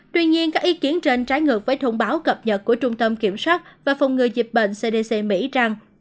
tuy nhiên các ý kiến trên trái ngược với thông báo cập nhật của trung tâm kiểm soát và phòng ngừa dịch bệnh cdc mỹ rằng